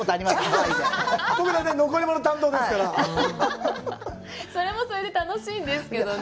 ハワイで僕大体残り物担当ですからそれもそれで楽しいんですけどね